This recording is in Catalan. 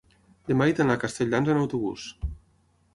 demà he d'anar a Castelldans amb autobús.